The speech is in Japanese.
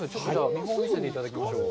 見本を見せていただきましょう。